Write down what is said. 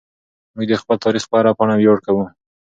موږ د خپل تاریخ په هره پاڼه ویاړ کوو.